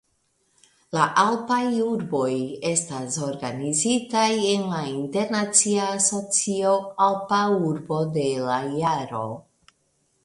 La Alpaj urboj estas organizitaj en la internacia asocio "Alpa Urbo de la Jaro".